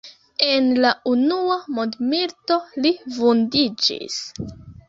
En la unua mondmilito li vundiĝis.